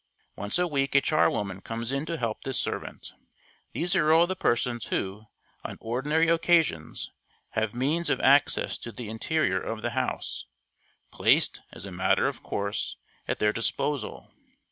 Once a week a charwoman comes to help this servant. These are all the persons who, on ordinary occasions, have means of access to the interior of the house, placed, as a matter of course, at their disposal.